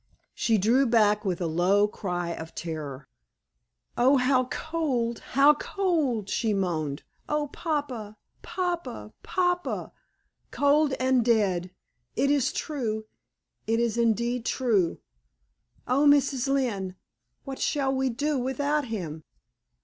She drew back with a low cry of terror. "Oh! how cold how cold!" she moaned. "Oh, papa! papa! papa! cold and dead! It is true it is indeed true. Oh, Mrs. Lynne! what shall we do without him?"